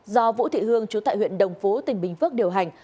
do vũ thị hương chú tại huyện đồng phú tỉnh bình phước điều hành